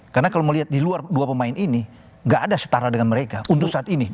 karena kalau melihat di luar dua pemain ini gak ada setara dengan mereka untuk saat ini